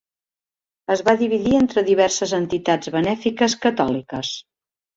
Es va dividir entre diverses entitats benèfiques catòliques.